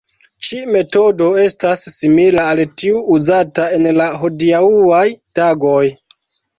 Ĉi-metodo estas simila al tiu uzata en la hodiaŭaj tagoj.